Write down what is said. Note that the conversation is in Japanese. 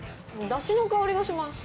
ダシの香りがします。